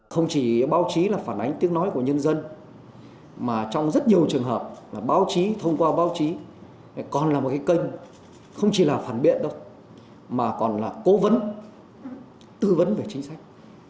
không chỉ báo chí là phản ánh tiếng nói của nhân dân mà trong rất nhiều trường hợp là báo chí thông qua báo chí còn là một cái kênh không chỉ là phản biện đâu mà còn là cố vấn tư vấn về chính sách